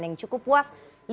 yang cukup puas